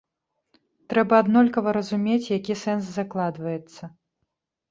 Трэба аднолькава разумець, які сэнс закладваецца.